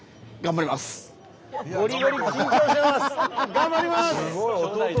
頑張ります！